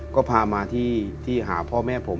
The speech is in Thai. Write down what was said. ก็พามาที่หาพ่อแม่ผม